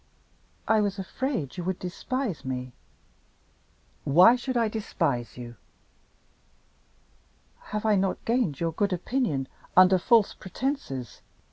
"I was afraid you would despise me." "Why should I despise you?" "Have I not gained your good opinion under false pretenses?